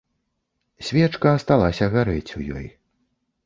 Свечка асталася гарэць у ёй.